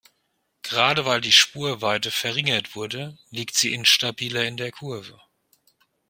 Gerade weil die Spurweite verringert wurde, liegt sie instabiler in der Kurve.